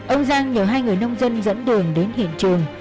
ông giang nhờ hai người nông dân dẫn đường đến hiện trường